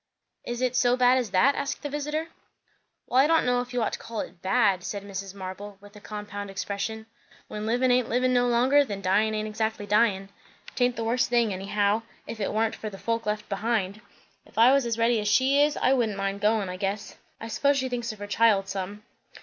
"Is it so bad as that?" asked the visiter. "Well, I don' know if you ought to call it, 'bad,'" said Mrs. Marble with a compound expression. "When livin' aint livin' no longer, then dyin' aint exactly dyin'. 'Taint the worst thing, anyhow; if it warnt for the folk left behind. If I was as ready as she is, I wouldn't mind goin', I guess. I s'pose she thinks of her child some."